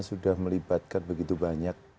sudah melibatkan begitu banyak